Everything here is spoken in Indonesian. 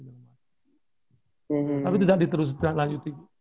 tapi tidak diteruskan lagi